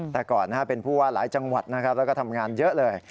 แต่ก่อนเป็นผู้ว่าหลายจังหวัดนะครับแล้วก็ทำงานเยอะเลย